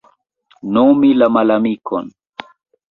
Nomi la malamikon.